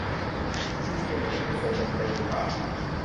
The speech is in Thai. วิธีเปลี่ยนตัวเองให้สวยแบบเปล่งปลั่ง